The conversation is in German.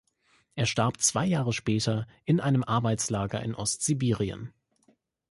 Er starb zwei Jahre später in einem Arbeitslager in Ostsibirien.